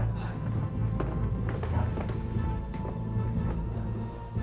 tempatnya sudah digepung